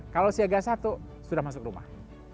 kalau siaga satu sudah masuk rumah